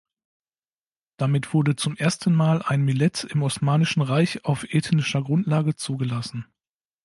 Damit wurde zum ersten Mal ein Millet im osmanischen Reich auf "ethnischer Grundlage" zugelassen.